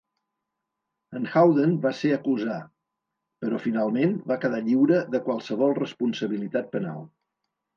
En Howden va ser acusar, però finalment va quedar lliure de qualsevol responsabilitat penal.